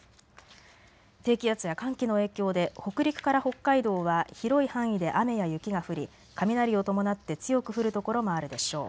低気圧や寒気の影響で北陸から北海道は広い範囲で雨や雪が降り雷を伴って強く降る所もあるでしょう。